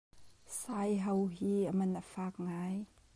Saiho hi a man a fak ngai.